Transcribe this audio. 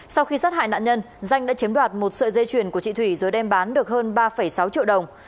sau khi sát hại nạn nhân danh đã chiếm đoạt một sợi dây chuyền của chị thủy rồi đem bán được hơn ba sáu triệu đồng